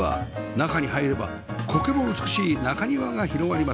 中に入れば苔も美しい中庭が広がります